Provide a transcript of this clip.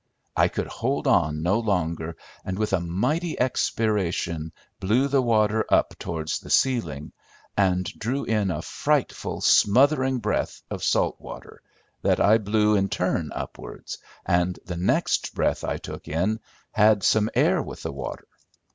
I could hold on no longer, and with a mighty expiration blew the water up towards the ceiling, and drew in a frightful smothering breath of salt water, that I blew in turn upwards, and the next breath I took in had some air with the water.